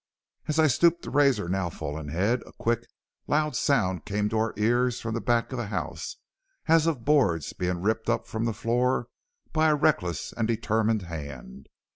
"As I stooped to raise her now fallen head a quick, loud sound came to our ears from the back of the house, as of boards being ripped up from the floor by a reckless and determined hand.